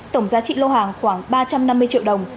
tổng giá trị lô hàng khoảng ba trăm năm mươi triệu đồng